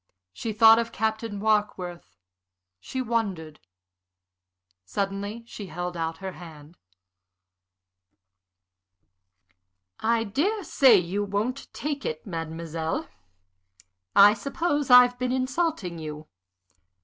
She thought of Captain Warkworth. She wondered. Suddenly she held out her hand. "I dare say you won't take it, mademoiselle. I suppose I've been insulting you.